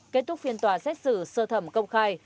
kết thúc phiên tòa xét xử sơ thẩm công khai